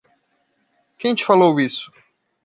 Quem te falou isso?